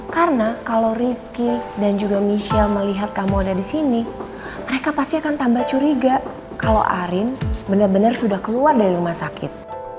karena kalau rifki dan juga michelle melihat kamu ada di sini mereka pasti akan tambah curiga kalau arin bener bener sudah keluar dari rumah sakit